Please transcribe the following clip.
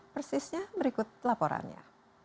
persisnya berikut laporannya